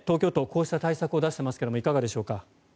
こうした対策を出していますがいかがでしょうか。